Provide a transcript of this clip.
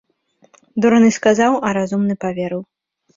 Дурны сказаў, а разумны і паверыў.